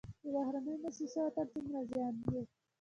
د بهرنیو موسسو وتل څومره زیان و؟